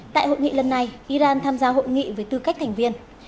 tại hội nghị lần này iran tham gia hội nghị với tư cách thành viên